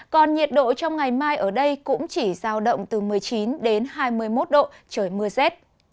còn nhiệt độ trong ngày mai ở đây cũng chỉ giao động từ một mươi chín đến hai mươi một độ trời mưa rét